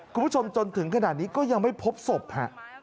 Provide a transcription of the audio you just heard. คุณผู้ชมจนถึงขนาดนี้ก็ยังไม่พบศพฮะ